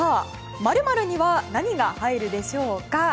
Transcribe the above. ○○には何が入るでしょうか。